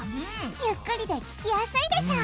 ゆっくりで聞きやすいでしょ！